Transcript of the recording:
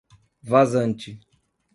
Vazante